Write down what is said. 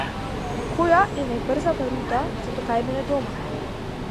Која е најбрзата рута за до кај мене дома?